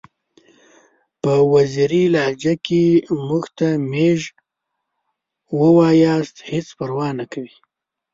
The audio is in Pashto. په وزیري لهجه کې که موږ ته میژ ووایاست هیڅ پروا نکوي!